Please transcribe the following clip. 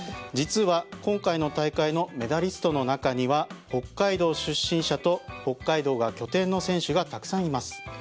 実は今回の大会のメダリストの中には北海道出身者と北海道が拠点の選手がたくさんいます。